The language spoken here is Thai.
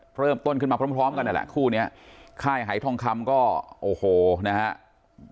เพิ่มต้นขึ้นมาพร้อมกันแหละคู่เนี้ยค่ายไหยทองคำก็โอ้โหนะฮะ